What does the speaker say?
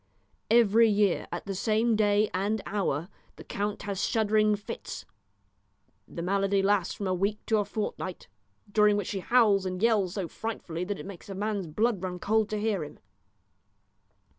Every year at the same day and hour the count has shuddering fits. The malady lasts from a week to a fortnight, during which he howls and yells so frightfully that it makes a man's blood run cold to hear him.